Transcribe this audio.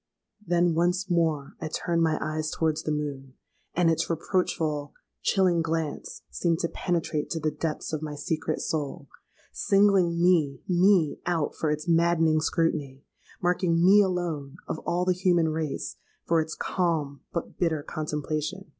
Then once more I turned my eyes towards the moon; and its reproachful, chilling glance seemed to penetrate to the depths of my secret soul,—singling me, me out for its maddening scrutiny,—marking me alone, of all the human race, for its calm, but bitter contemplation.